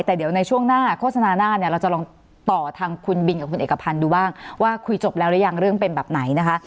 แต่เดี๋ยวในช่วงหน้าโฆษณาหน้าเนี่ยเราจะลองต่อทางคุณบินกับคุณเอกพันธ์ดูบ้างว่าคุยจบแล้วหรือยังเรื่องเป็นแบบไหนนะคะ